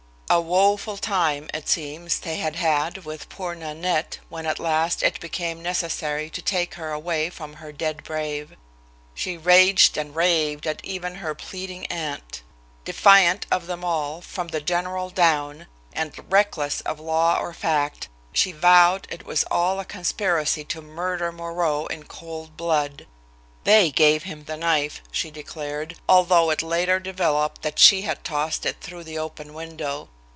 A woful time, it seems, they had had with poor Nanette when at last it became necessary to take her away from her dead brave. She raged and raved at even her pleading aunt. Defiant of them all, from the general down, and reckless of law or fact, she vowed it was all a conspiracy to murder Moreau in cold blood. They gave him the knife, she declared, although it later developed that she had tossed it through the open window.